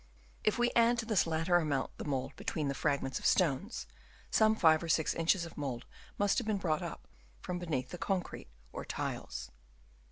If we add to this latter amount the mould between the fragments of stones, some five or six inches of mould must have been brought up from beneath the concrete or tiles.